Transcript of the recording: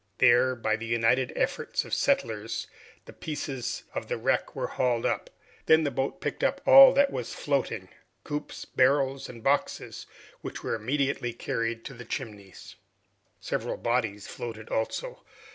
There, by the united efforts of the settlers the pieces of wreck were hauled up. Then the boat picked up all that was floating, coops, barrels, and boxes, which were immediately carried to the Chimneys. Several bodies floated also.